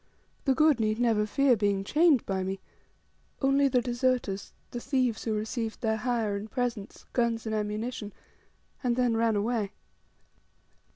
The good need never fear being chained by me only the deserters, the thieves, who received their hire and presents, guns and ammunition, and then ran away.